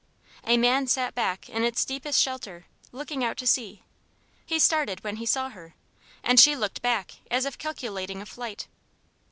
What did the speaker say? A man sat back in its deepest shelter, looking out to sea. He started when he saw her, and she looked back as if calculating a flight.